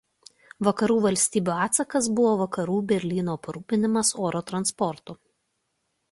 Vakarų valstybių atsakas buvo Vakarų Berlyno aprūpinimas oro transportu.